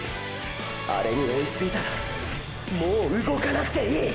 あれに追いついたらもう動かなくていい！！